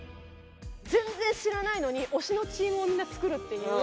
全然知らないのに推しのチームをみんな作るっていう。